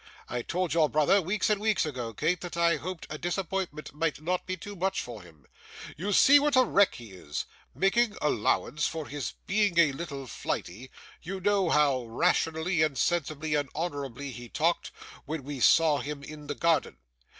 I told your brother, weeks and weeks ago, Kate, that I hoped a disappointment might not be too much for him. You see what a wreck he is. Making allowance for his being a little flighty, you know how rationally, and sensibly, and honourably he talked, when we saw him in the garden.